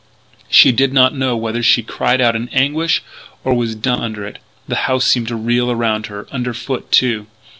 She did not know whether she cried out in anguish or was dumb under it. The house seemed to reel around her; under foot too.